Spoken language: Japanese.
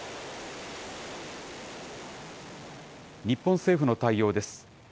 日本政府の対応です。